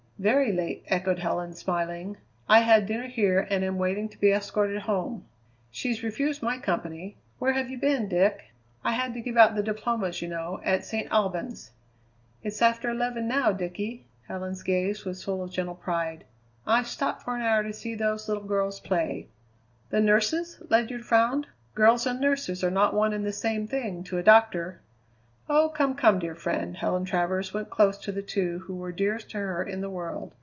"Very late," echoed Helen, smiling. "I had dinner here and am waiting to be escorted home." "She's refused my company. Where have you been, Dick?" "I had to give out the diplomas, you know, at St. Albans." "It's after eleven now, Dickie." Helen's gaze was full of gentle pride. "I stopped for an hour to see those little girls play." "The nurses?" Ledyard frowned. "Girls and nurses are not one and the same thing, to a doctor." "Oh, come, come, dear friend!" Helen Travers went close to the two who were dearest to her in the world.